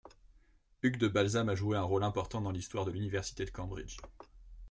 Hugh de Balsham a joué un rôle important dans l'histoire de l'université de Cambridge.